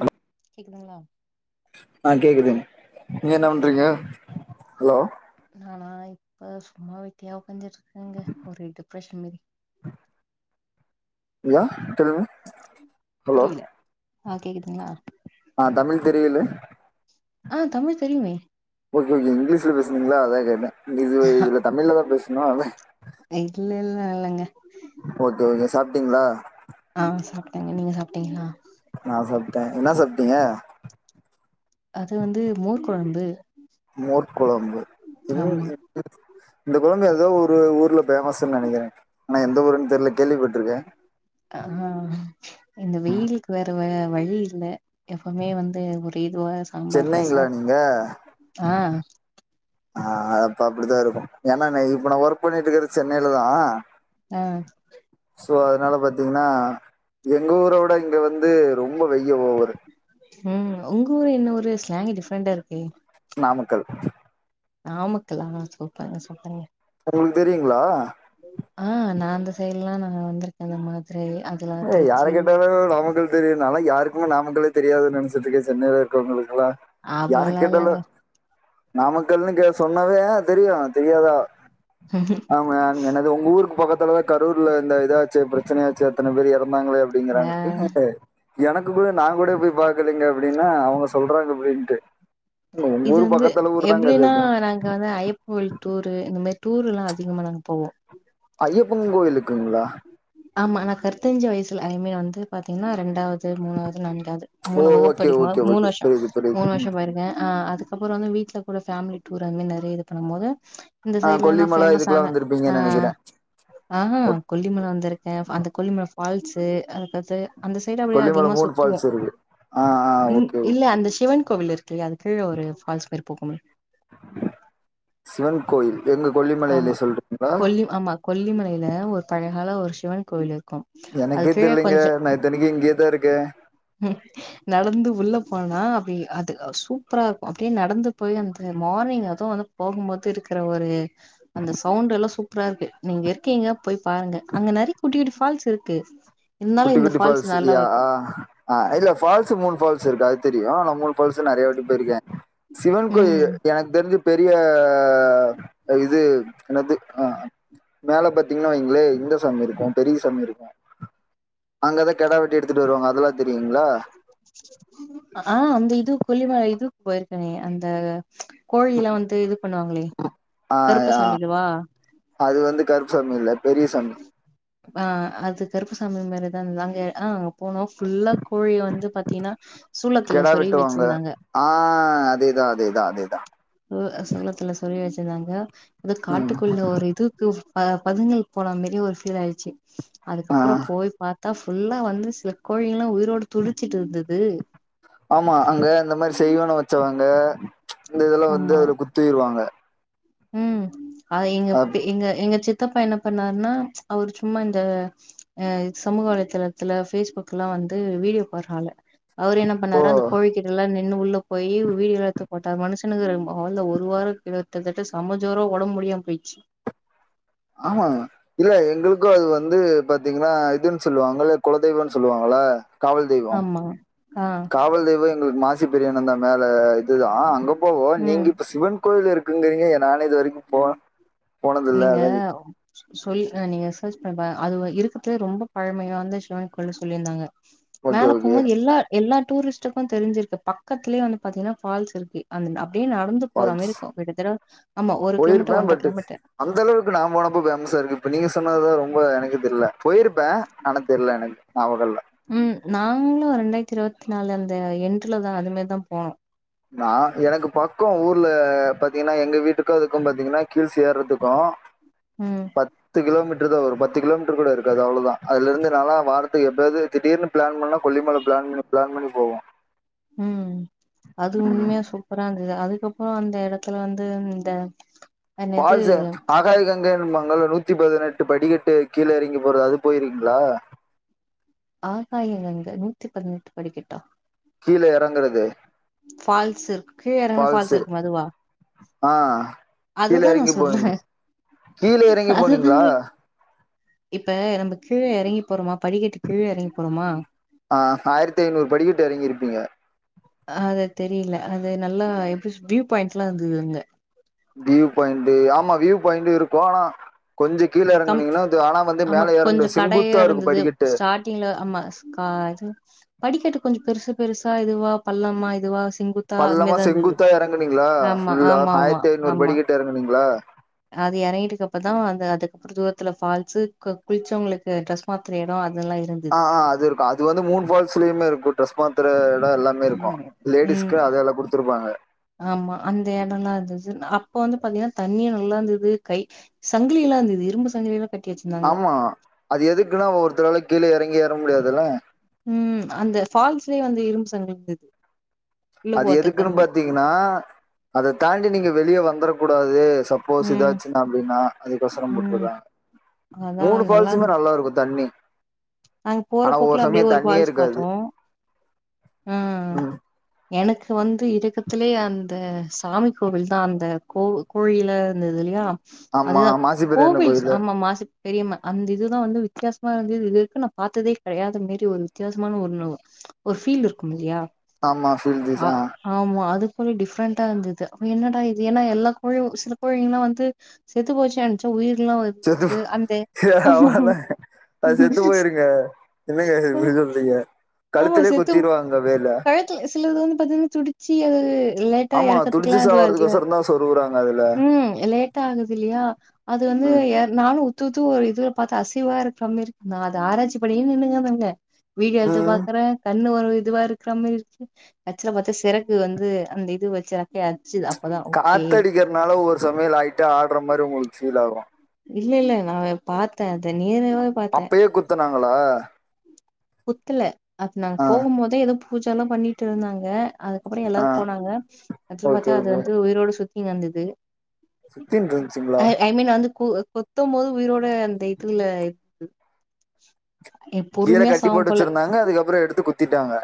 Allow குதுங்ளா ஆ கேக்குதுங் நீங்க என்ன ஆ பண்றீங்க ஹலோ நானா இப்ப சும்மா வெட்டியா ஒக்காந்துட்ருக்கங்க ஒரே டிப்ரெஷன் மாரி யா சொல்லுங்க புரியில ஆ கேக்குதுங்ளா அ தமிழ் தெரியுல்லே ஆ தமிழ் தெரியுமே ஓகே ஓகே இங்லீஷ்ல பேசுனீங்களா அதா கேட்டே இது இதுல தமிழ்ல தா பேசணு அதா இதுலல்லா இல்லங்க ஓகே ஓகே சாப்ட்டீங்ளா ஆ சாப்ட்டேங்க நீங்க சாப்ட்டீங்ளா நா சாப்ட்டே என்ன சாப்ட்டீங்க அது வந்து மோர் கொழம்பு மோர் கொழம்பு இன் ஆமா இத் [inaudible] இந்த கொழம்பு எதோ ஒரு ஊர்ல ஃபேமஸ்ஸுன் நெனைக்கிறே ஆனா எந்த ஊருன் தெர்ல கேள்விப்பட்ருக்கே ஆமா இந்த வெயிலுக் வேற வே வழி இல்ல எப்பவ்மே வந்து ஒரே இதுவா சாம்பார் சென்னைங்ளா ரசம் நீங்க ஆ ஆ அப்ப அப்பிடி தா இருக்கு ஏனா நா இப்ப நா ஒர்க் பண்ணிட்ருக்கறத் சென்னைல தா ஆ சோ அதனால பாத்தீங்கன்னா எங்க ஊர விட இங்க வந்து ரொம்ப வெய்யல் ஒவ ம் உங்க ஊர் என்ன ஊரு ஸ்லாங்க் டிஃப்ரெண்டா இருக்கு நாமக்கல் நாமக்கல்லா சூப்பர்க சூப்பர்க உங்களுக்கு தெரியுங்களா ஆ நா அந்த சைடு எல்லா நா வந்திருக்கே இந்த மாதிரி அ இல்ல யார கேட்டாலு நாமக்கல் தெரியு நா லா யாருக்குமே நாமக்களே தெரியாது நெனைச்சுட்டுக்கே சென்னையில இருக்கிறவங்களுக்கெல்லா யார அவல்லா கேட்டாலு இல்லங்க நாமக்கல்னு கே சொன்னவே ஆ தெரியு தெரியாதா ம் அவங்க எனது உங்க ஊருக்கு பக்கத்துலதா கரூர்ல இந்த இதாச்சு பிரச்சனையாச்சு அத்தன பேர் இறந்தாங்களே அப் ஆ படிக்குறாங்க எனக்கு கூள்ள நா கூட போய் பாக்கலீங்க அப்டின்னா அவங்க சொல்றாங்க அப்டின்ட்டு உங்க இது ஊரு வந்து பக்கத்துல ஊர் தாங்க அது எப்டின்னா அப்டின்னு நாங்க வந்து ஐப் ப்பன் கோவில் டூரு இந்த மாதிரி டூர் எல்லா அதிகமா நாங்க போவோ ஐயப்பன் கோயிலுக்குங்களா ஆமா நா கருத்தஞ்சு வயசுல ஐம வந்து பாத்தீங்கன்னா ரெண்டாவது மூணாவது நான்காவது ஓ மூணு வகுப்பு ஓகே படிக்குமா ஓகே மூணு ஓகே வருஷோ புரியுது புரியுது மூணு வருஷோ போயிருக்கே ஆ அதுக்கு அப்றோ வந்து வீட்டுல கூட ஃபேமிலி டூர் அந்த மாரி நெறைய இது பண்ணு போது இந்த ஆ சைட்லனா கொல்லிமல ஃபேமஸ் இதுக்கெல்லா ஆன ஆ வந்திருப்பீங்கன்னு நெனைக்கிறே அ ஆ கொல்லிமல வந்திருக்கே அந்த கொல்லிமல ஃபால்ஸு அதுக்கத்து அந்த சைடு அப்டியே கொல்லிமல அதிகமா மூணு சுத்துவோ ஃபால்ஸ் இருக்கு ஆ ஆ ம் ஓகே ஓகே இல்ல அந்த சிவன் கோவில் இருக்குல்லையா அதுக்கு கீழ ஒரு ஃபால்ஸ் மாரி போகும்ல சிவன் கோயில் எங்க ஆமா கொல்லிமலையிலயே சொல்றீங்களா கொல்லி ஆமா கொல்லிமலையில ஒரு பழகால ஒரு சிவன் கோவில் இருக்கு எனக்கே தெரில்லைங்க நா இத்தனைக்கு இங்கேதா இருக்கே ம் நடந்து உள்ள போனா அப்டி அது சூப்பரா இருக்கு அப்டியே நடந்து போய் அந்த மார்னிங் அதுவு வந் போகுபோது இருக்கிற ஒரு அந்த சவுண்ட் எல்லா சூப்பரா இருக்கு நீங்க இருக்கீங்க போய் பாருங்க அங்க நெறை குட்டி குட்டி ஃபால்ஸ் இருக்கு இருந்தாலு குட்டி இந்த குட்டி ஃபால்ஸ் நல்லா இல்லயா ஆ இருக்கு ஆ இல்ல ஃபால்ஸ் மூணு ஃபால்ஸ் இருக்கதெரியு ஆ ந மூணு பால்ஸு நிறையா வாட்டி போயிருக்கே சிவன் கோயி ம் எனக்கு தெரிஞ்சு பெரியா இது என்னது ஆ மேல பாத்தீங்கன்னா வைங்களே இந்த சாமி இருக்கு பெரிய சாமி இருக்கு அங்கதா கிடா வெட்டி எடுத்துட்டு வருவாங்க அதெல்லா தெரியுங்களா ஆ அந்த இது கொல்லிவாய் இதுக்கு போயிருக்கானே அந்த கோழி எல்லா வந்து இது பண்ணுவாங்களே ஆ கருப்ப ஆ சாமி இதுவா அது வந்து கருப்பு சாமி இல்ல பெரிய சாமி ஆ அது கருப்புசாமி மாரிதா இருந்தாங்க ஆ அங்க போனோ ஃபுல்லா கோழி வந்து பாத்தீங்கன்னா சூளத்துல கெடா சொருவி வெட்டுவாங்க வச்சிருந்தாங்க ஆ அதேதா அதேதா அதேதா ஒ செந்தத்துல சொல்லி வச்சிருந்தாங்க ஏதே ம் காட்டுக்குள்ள ஒரு இதுக்கு பதுங்கங்கள் போன மாரி ஒரு ஃபீல் ஆயிச்சு ஆ அதுக்கப்றோ போய் பார்த்தா ஃபுல்லா வந்து சில கோழி எல்லா உயிரோடு துடிச்சுட்டு இருந்துது ஆமா அங்க இந்த மாரி செய்வன வச்சவங்க இந்த இதெல்லா வந்து ஆமா அதுல குத்திருவாங்க அ எங்க அப்போ எங்க எங்க சித்தப்பா என்ன பண்ணாருன்னா அவரு சும்மா இந்த அ சமூக வலைதளத்துல ஃபேஸ்புக்லா வந்து வீடியோ போடுறாலு அவரு என்ன பண்ணாரு அந்த கோழி கிட்டெல்லா நின்னு உள்ள போய் வீடியோ எடுத்து போட்டார் மனுஷனுக்கு [unintelligible] செமம ஜொரொ ஒடம்பு முடியாம போயிட்ச்சு ஆமா இல்ல எங்களுக்கு அது வந்து பாத்திங்கன்னா இதுன்னு சொல்லுவாங்க கொலதெய்வன்னு சொல்லுவாங்கள ஆமா ஆ காவல் தெய்வொ எங்களுக்கு மாசி பிரியாணந்தான் மேல இதுதா அங்க போவோ ம் நீங்க இப்ப சிவன் கோயில் இருக்குங்கிறீங்க ஏ நானே இது வரிக்கு போன நீங்க சொல் நீங்க செர்ச் பண்ணி பாருங் அது இருக்கத்துலே ரொம்ப பழமையா வந்த சிவன் கோயில் சொல்லிருந்தாங்க ஓகே மேல ஓகே போம்போது எல்லா எல்லா டூரிஸ்டுக்கு தெரிஞ்சிருக்கு பக்கத்திலே வந்து பாத்திங்கன்னா ஃபால்ஸ் இருக்கு அந் அப்டின் நடந்து போற மாரி ஃபால்ஸ் இருக்கு கிட்டதட்ட ஆமா ஒரு போயிருப்பே கிலோமீட்டர் ஒன்ற பட் கிலோமீட்ரு அந்த அளவுக்கு நா போனப்ப பேமஸா இருக்கு இப்ப நீங்க சொன்னதுத ரொம்ப எனக்கு தெர்ல போயிருப்பே ஆனா தெர்ல எனக்கு நாவகொ இல்ல ம் நாங்ளு ரெண்டாயிர்த்தி இருவத்தி நாலு அந்த எண்டுல தா அதுமாரி தா போனோ நா எனக்கு பக்கொ ஊர்ல பாத்திங்கன்னா எங்க வீட்டுக்கு அதுக்கு பாத்திங்கன்னா கீல்ஸ் ஏர்றதுக்கு ம் பத்து கிலோமீட்ரு தா வரு பத்து கிலோமீட்ரு கூட இருக்காது அவ்ளொதா அதுல இருந்து நாலா வாரத்துக்கு எப்பயாது திடீர்னு பிளான் பண்ணா கொல்லிமல பிளான் பண்ணி பிளான் பண்ணி போவோ ம் அது உண்மையா சூப்பறாங் இது அதுக்கப்பறொ அந்த எடத்துல வந்து இந்த என்னது ஃபால்ஸ் ஆ ஆகாதுகா [unintelligible] நூத்தி பதினெட்டு படிக்கட்டு கீழே எறங்கி போறது அது போயிருக்கிங்ளா ஆகாய கங்க நூத்தி பதினெட்டு படிக்கட்டா கீழ எறங்குறது ஃபால்ஸ்ஸு கீழ எறங்குனா ஃபால்ஸ் ஃபால்ஸு இருக்குமே அதுவா ஆ கீழ அதுதான் எறங்கி நான் சொல்றேன் [unintelligible] கீழ எறங்கி போனீங்ளா அதுதாங்க இப்ப நம்ப கீழ எறங்கி போறொமா படிக்கட்டு கீழ எறங்கி போறோமா ஆ ஆயரெத்து ஐநூறு படிக்கட்டு எறங்கிருப்பீங்க அத தெரியல அது நல்லா எப்டி வியூ பாயிண்ட்ல்லா இருந்தது அங்க வியூ பாயிண்ட்டு ஆமா வியூ பாயிண்ட்டு இருக்கு ஆனா கொஞ்சொ கீழ கம் எறங்குனிங்கனா ஆனா வந்து ஆமா மேல ஏற முட்யாது செங்குத்தா இருக்கு படிக்கட்டு ட்டீங்களா [unintelligible] படிக்கட்டு கொஞ்சொ பெருசு பெருசா இதுவா பள்ளமா இதுவா செங்குத் பள்ளமா செங்குத்தா எறங்குனிங்களா ஃபுல்லா ஆமா ஆமா ஆயர்த்தி ஐநூறு ஆமா படிக்கட்டு எறங்குனிங்ளா அது எறங்கிட்டுக்கு அப்பதா வந்து அதுக்கப் தூரத்துல ஃபால்ஸு குளிச்சவுங்களுக்கு ட்ரெஸ் மாத்துற எடொ அதெல்லா இருந் ஆ ஆ அது இருக்கு அது வந்து மூனு ஃபால்ஸ்லயுமே இருக்கு ட்ரெஸ் மாத்துற எடொ எல்லாமே இருக்கு ம் ம் லேடிஸ்க்கு அதெல்லா குடுத்துருப்பாங்க ஆமா அந்த எடொல்லா இருந்தது அப்ப வந்து பாத்திங்கன்னா தண்ணியு நல்லா இருந்தது கை சங்கிலி எல்லா இருந்தது இரும்பு சங்கிலி எல்லா ஆமா அது எதுக்குன்னா ஒவவொருத்தரால கீழே இறங்கி ஏற முடியாதுல்ல ம் அந்த ஃபால்ஸ்லயே வந்து இரும்பு சங்கிருந்தது அது எதுக்குன்னு பாத்தீங்கன்னா அத தாண்டி நீங்க வெளியே வந்துரக் கூடாது சப் ப்போஸ் ம் இதாச்சுன்னா அப்பிடின்னா அதுக்கோசரம் ம் போட்டுருக்காங்க அதா மூணு ஃபால்ஸுமே நல்லா இருக்கும் தண்ணி அங்க ஆனா ஒவ்வொரு போறபோக்குல அப்படியே சமயம் ஒரு தண்ணியே பால்ஸ் இருக்காது பார்த்தோம் ம் எனக்கு வந்து இருக்கத்திலயே அந்த சாமி கோவில் தான் அந்த கோ கோழில இருந்தது இல்லையா ஆமா அதுதான் மாசி பெரியண்ணன் கோவில் கோயிலு ஆமா மாசி தெரியுமா அந்த இதுதான் வந்து வித்தியாசமா இருந்த இது வரைக்கும் பார்த்ததே கிடையாத மாறி ஒரு வித்தியாசமான ஒரு ஒரு ஃபீல் இருக்கும் இல்லையா ஆமா ஃபீல்லு ஆ தான் ஆமா அதுக்குல டிஃப்ரெண்டா இருந்தது அப்ப என்னடா இது ஏன்னா எல்லா கோயில் சில கோயிங்கலாம் வந்து செத்து போச்சு நெனச்சா உயிர எலாம் வருது செத்து அந்த ஆமா. ஆமால அது செத்து போயிருக்கு ங்க என்னங்க இப்படி சொல்றீங்க ஆமா கழுத்திலே செத்து குத்திடுவாங்க வேல கழத்துல சிலது வந்து பாத்தீங்கன்னா துடிச்சு அ லேட்டா ஆமா துடிச்சு இறக்கறதுக்குெல்லாம் இதுவதுல சாவறதுக்கோசரம் தான் சொருகுறாங்க அதுல ம் லேட்டா ஆகுது இல்லையா அது வந்து ம் நானும் உத்துத்த ஒரு இதுல பார்த்தா அசைவா இருக்காமே இருக்கு நான் அத ஆராச்சி அப்பின்னு நின்னுங்க தங்க வீடு எடுத்து ம் பார்த்த கண்ணு ஒரு இதுவா இருக்கிற மாதிரி இருக்கு அச்சுவல பாத்தா சிறக்கு வந்து அந்த இது வச்சு சேரி அப்பதான் ஓகே னால ஒரு சமயம் லைட்ட ஆடுற மாதிரி உங்களுக்கு ஃபீல் ஆகும் இல்ல இல்ல நான் பாத்தேன் அத நேராவ பாத்தேன் குத்தனாங்களா குத்துல அது நாங்க ஆ போகும் போதே ஏதோ பூஜை எல்லாம் பண்ணிட்டு இருந்தாங்க அதுக்கப்புற ஆ எல்லாரு போனாங்க ஆக்சுவலி ஓகே பாத்தா அது ஓகே வந்து உயிரோடு சுத்தின்னு கிடந்தது சுத்தின்னு இருந்துச்சுங்களா ஐ மீன் வந்து கு கொத்தும் போது உயிரோட அந்த இதுல இருந்தது என் கீழே பொறுமையா கட்டி சாவும் போட்டு போல வச்சிருந்தாங்க அதுக்கப்புறம் எடுத்து குத்திட்டாங்க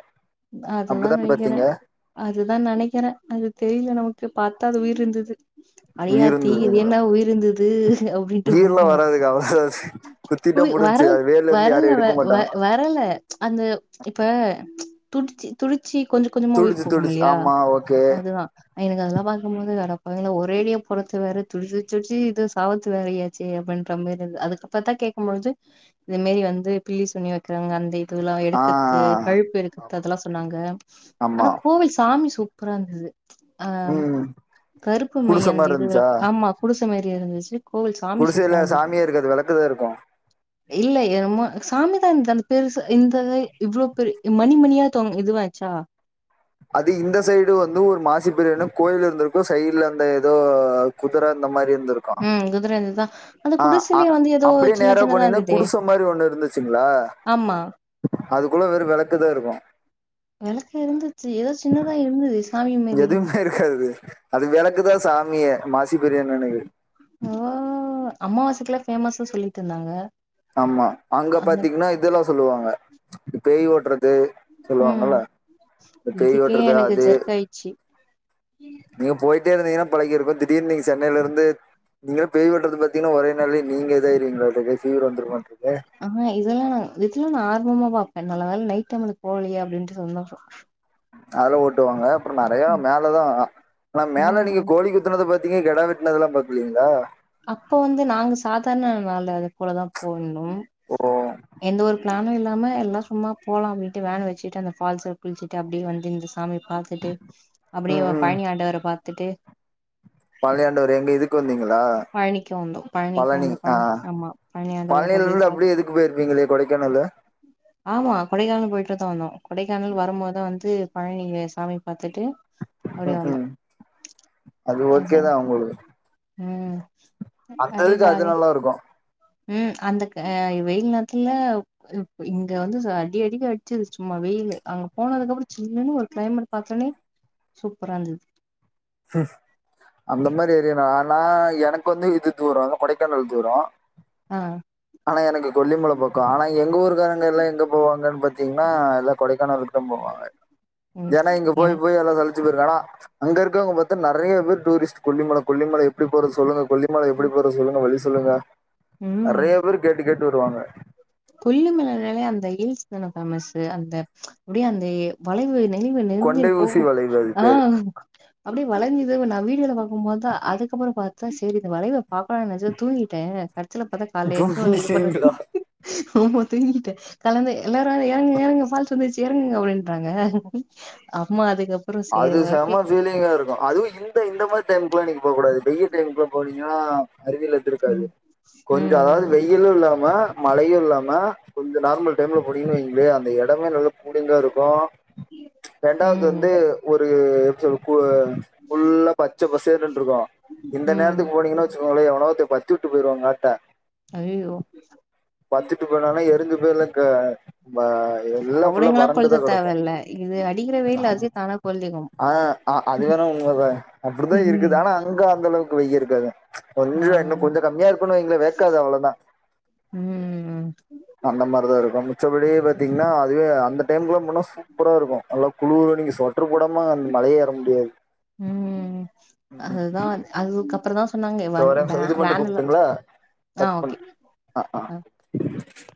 அதுதான் அப்படிதான் பாத்தீங்க நெனக்கிறேன் அதுதான் நினைக்கிறேன் அது தெரியல நமக்கு பாத்தா அது உயிர் இருந்தது உயிர் அடியாத்தி இது இருந்ததுங்களா என்ன உயிருந்தது அப்படின்ட்டுட்ட உயிர்லா கம்முனு வராதுக்கா அவ்ளோதா அது குத்திட்டா வந்ட்டு முடிஞ்ச்சு வரல் அது வேர்ல இருந்து யாரு வரல எடுக்க மாட்டாங்க வர இல்லல அந்த இப்ப துடிச்சு துடிச்சி கொஞ்ச கொஞ்சமா துடிச்சு உயிர் போகும் துடிச்சு இல்லியா ஆமா ஓகே அதுதா எனக்கு அதெல்லாம் பாக்கும்போது அடப்பாவிங்கள ஒரேடியா பொறது வேற துடிச்சு துடிச்சு இது சாவத்து வேற யே சரி அப்படின்ற மாதிரி அதுக்கப்புறா தான் கேக்கும் பொழுது இந்தமாறி வந்து பில்லி சுனியம் வைக்கிறாங்க அந்த இது அல்லா ஆ எடுக்குது கழுப்பு எடுக்குது அதெல்லா சொன்னாங்க ஆமா ஆனா கோவில் சாமி சுப் சூப்பறா இருந்தது ஆ ம் கருப்பு மை குடிச அந்த மாரி இது இருந்துச்சா ஆமா புடிச்ச மாறி இருந்துச்சு கோவில் சாமி சூப்பரா குடிசைல இருந்தது சாமியே இருக்காது விளக்குதா இருக்கும் இல்ல ஏனமோ சாமிதா த பெருச இந்த இவ்வளோ பெ ம் மா மணி மணியா தொங்கு இதுவாச்சா அது இந்த சைடு வந்து ஒரு மாசிபரியனு கோயில் இருந்திருக்கு சைடுல அந்த ஏதோ குதிரை இந்த மாறி இருந்திருக்கு ம் குதிரந்துதான் ஆ அ அப்டியே நேரா போனீங்கனா இருந்ததே குடிச மாரி ஒன்னு இருந்துச்சுங்ளா ஆமா அதுக்குல்ல வெறு வெளக்குதா இருக்கு வெளக் இருந்துச்சு எதோ சின்னதா இருந்துஸ் எதுமே இருக்காது அது விளக்குதா சாமியே மாசி பெரியண்ணனுக்கு ஓ அம்மாவாசைக்குலா பேமஸ்ஸு சொல்லிட்ருந்தாங்க ஆமா அங்க பாத்தீங்னா இதெல்லா சொல்லுவாங்க பேய் ஓட்ற து ம் சொல்லுவாங்கள இந்த பேய் இதுக்கே ஓட்றது எனக்கு அது ஜெர்க் ஆயிடுச்சு நீங்க போய்ட்டே இருந்தீங்கனா பழகிருக்கு திடீர்னு நீங்க சென்னைல இருந்து நீங்களா பேய் ஓட்றது பாத்தீங்னா ஒரே நாள்லே நீங்க இதாய்வீங்ளோ ஓட்ட போய் தீவிரோ வந்துருவோன்றது ஆ இதெல்லா நா இதெல்லா நா ஆர்வமா பாப்ப நல்ல வேல நைட்டு நம்மளுக் போகலையா அப்டின்ட்டு சந்தோஷோ அதுலா ஓட்டுவாங்க அப்புறோ நெறையா ம் மேலதா ஆனா மேல நீங்க ம் கோழி குத்துனத பாத் தீங்க கெடா வெட்டினதுலா பாத்துருக்கிங்ளா அப்போ வந்து நாங்க சாதார்ண வாழ்ந்த அது போலதா போயிர்ந்தோ ஓருவா எந்த ஒரு பிளானு இல்லாம எல்லா சும்மா போலா அப்டின்ட்டு வேன் வச்சுட்டு அந்த ஃபால்ஸூ குளிச்சிட்டு அப்டியே வந்து இந்த சாமி பாத்துட்டு ம் அப்புடியேவு ம் பழணியாண்டவர பாத்துட்டு பழணியாண்டவரு எங்க இது க்கு வந்தீங்ளா பழனிக்கு வந்தோ பழனிக்கு பழனி வந்து ஆ ஆமா பழனி ஆண்டவர பழனில இருந்து பாத் அப்டியே இது க்கு போய்ர்ப்பீங்களே கொடைக்கானலு ஆமா கொடைக்கானல் போய்ட்டுதா வந்தோ கொடைக்கானல் வரும்போதா வந்து பழனி இங்கு சாமி பாத்துட்டு அப்டியே ம் வந்தோ ம் அது ஓகே அதா தா உங்குளுக்கு ம் அந்த அப்டியே இதுக்கு அது ஜாலியா நல்லா இருக்கு ம் அந்த க வெயில் நேர்த்துல இங்க வந்து ச அடி அடிங்கு அடிச்சுது சும்மா வெயிலு அங்க போனதுக்கப்புறோ ஜில்லுனு ஒரு கிளைமேட் பாத்தோனே சூப்பரா இருந்தது ம் அந்த மாரி ஏரியானா ஆனா எனக்கு வந்து இது தூரோ கொடைக்கானல் தூரோ ஆ ஆனா எனக்கு கொல்லிமல பக்கோ ஆனா எங்க ஊருக்காரங்க எல்லா எங்க போவாங்கன் பாத்தீங்னா எல்லா கொடைக்கானலுக் தா போவாங்க ம் ஏனா இங்க போய் எனக்கு போய் எல்லா சலு ச்சுகுரு ஆனா அங்க இருக்கிறவ்ங்க பாத்த நெறைய பேரு டூரிஸ்ட் கொல்லிமல கொல்லிமல எப் புடி போறது சொல்லுங்க கொல்லிமல எப்புடி போறது சொல்லுங்க வழி சொல்லுங்க ம் நெறையா பேரு கேட்டு கேட்டு வருவாங்க கொல்லுமலனாலே அந்த ஹில்ஸ் தான பேமஸ்ஸு அந்த அப்டியே அந்த எ வளைவு நெழிவு கொண்டை நெளிஞ்சுனு ஊசி போவோ வளைவு அது ஆ பேரு. அப்புடி வளஞ்சு தெர்வ நா வீடியோல பாக்குமோதா அதுக்கப்புறோ பாத்தா செரி இந்த வளைவ பா்க்கலான் நெனச்ச தூங்கிட்டே கடுச்சுல பார்த்தா கால்ல என்ச்சு வந்து இது பண்ற புரிஞ்சுதுங்களா? ஓ தூங்கிட்டே கடந்த எல்லாரு வாங்க எறங்குங்க எறங்குங்க ஃபால்ஸ் வந்துர்ச்சு எறங்குங்க அப்புடின்றாங்க ஆமா அதுக்கப் அது செம ஃபீலிங்கா இரு அதுவு இந்த இந்த மாரி டைமுக்குலா நீங்க போ கூடாது டெயலியு டைமு்க்குல்ல போனீங்கனா அறிவியல் இருந்திருக்காது ம் கொஞ்சோ அதாவ்து ம் வெய் யிலு இல்லாம மழையு இல்லாம கொஞ்சோ நார்மல் டைம்ல போணீங்கன் வைஙளே அந்த எடமே நல்லா முடிங்கா இருக்கு ரெண்டாவது ம் ம் வந்து ஒரு எப்டி சொல் குளு ஃபுல்லா பச்சப்பசேறுன்ட்டுருக்கு இந்த ம் நேரத்துக்கு போனீங்கன்னா வச்சு கோங்ளே எவனோ ஒருத்தே பத்தி வுட்டு போயிடுவாங்காட்ட அய்யயோ பத்துட்டு பதுனாறுனா எருஞ்சு போயிருல க ப அவனுங்ல்லா கொழ்த்த தேவ இல்ல இது அடிக்கிற வெயில்ல அதே தானா கொழ்ந்துக்கு ஆ அ அது வேணா உண்மதாங் அப்டிதா இருக்குது ம் ஆனா அங்க அந்த அளவுக்கு வெய்யி இருக்காது ஆ கொஞ்சோ இன்னு கொஞ்ச கம்மியா இருக்ணு வைங்களே வேக்காது அவ்ளோதா ம் அந்த மாரிதா இருக்கு மிச்சபடி பாத்தீங்ன்னா அதுவே அந்த டைம்ல போனா சூப்பரா இருக்கு நல்லா குளுரு நீங்க ஸ்வெட்ரு போடாம அந் மலயே ஏற முடியாது ம் அதுதா அதுக்கப்ற தா சொன்னாங்க சேர் வேன் ஒரே நிம்ஷோ இது பண்ட்டு வேன்ல கூப்ட்டுங்ளா ஆ கட் ஓகே பண்ட் அ ஆ அ